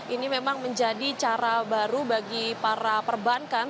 ini memang menjadi cara baru bagi para perbankan